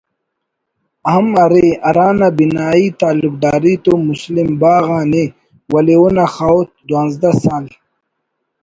ہم ارے ہرانا بنائی تعلقداری تو مسلم باغ آن ءِ ولے اونا خاہوت دوانزدہ سال